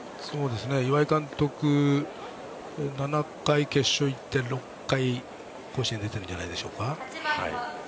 岩井監督７回、決勝行って６回甲子園に出てるんじゃないですか。